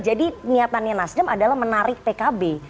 niatannya nasdem adalah menarik pkb